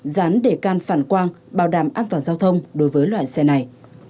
dán đề can phản quang bảo đảm an toàn giao thông đối với loại xe này